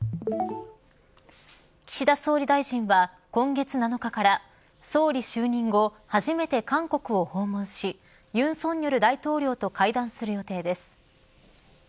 岸田総理大臣は今月７日から総理就任後初めて韓国を訪問し尹錫悦大統領と会談する予定です。